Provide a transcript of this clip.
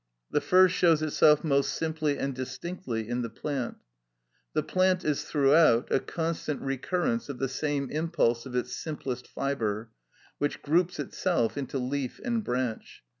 The first shows itself most simply and distinctly in the plant. The plant is throughout a constant recurrence of the same impulse of its simplest fibre, which groups itself into leaf and branch.